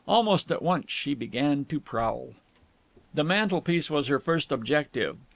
Almost at once she began to prowl. The mantelpiece was her first objective.